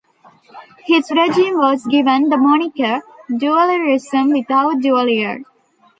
His regime was given the moniker "duvalierism without Duvalier".